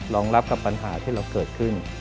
รองรับปัญหาที่เขิดขึ้น